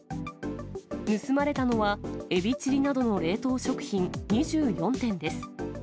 盗まれたのは、エビチリなどの冷凍食品２４点です。